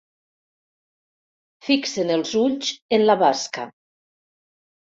Fixen els ulls en la basca.